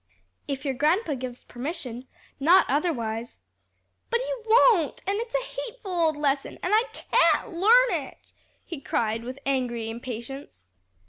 "If your grandpa gives permission; not otherwise." "But he won't; and it's a hateful old lesson! and I can't learn it!" he cried with angry impatience.